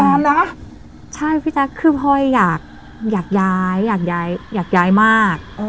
โหนานนะใช่พี่แจ๊กคือพลอยอยากย้ายอยากย้ายมาก